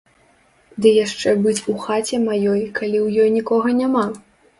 Ды яшчэ быць у хаце маёй, калі ў ёй нікога няма.